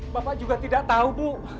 bapak juga tidak tahu bu